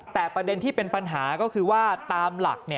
แต่ประเด็นที่เป็นปัญหาก็คือว่าตามหลัก